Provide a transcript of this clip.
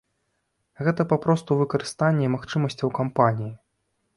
Гэта папросту выкарыстанне магчымасцяў кампаніі.